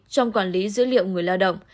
trong quản lý dữ liệu người lao động